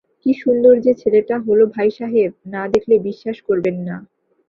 কী সুন্দর যে ছেলেটা হল ভাইসাহেব, না-দেখলে বিশ্বাস করবেন না।